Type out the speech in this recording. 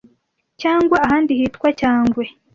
Cyangwa ahandi hitwa Cyagwe,